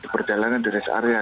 perjalanan di res area